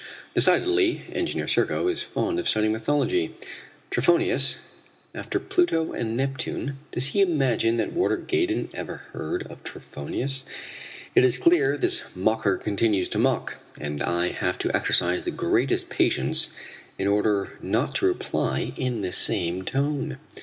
Decidedly, Engineer Serko is fond of citing mythology! Trophonius after Pluto and Neptune? Does he imagine that Warder Gaydon ever heard of Trophonius? It is clear this mocker continues to mock, and I have to exercise the greatest patience in order not to reply in the same tone.